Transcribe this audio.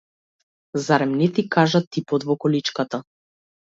Зар не ти кажа типот во количката?